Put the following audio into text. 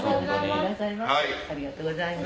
ありがとうございます。